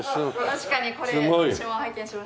確かにこれ私も拝見しました。